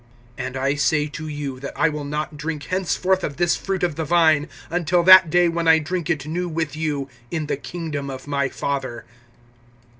(29)And I say to you, that I will not drink henceforth of this fruit of the vine, until that day when I drink it new with you, in the kingdom of my Father.